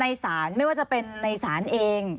ในศาลไม่ว่าจะเป็นในศาลเอง